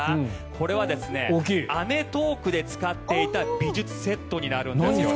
これは「アメトーーク！」で使っていた美術セットになるんです。